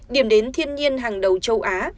điểm đến thiên nhiên hàng đầu châu á